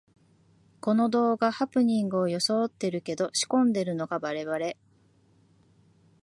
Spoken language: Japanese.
この動画、ハプニングをよそおってるけど仕込んでるのがバレバレ